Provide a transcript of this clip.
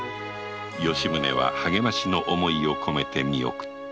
吉宗は励ましの思いをこめて見送った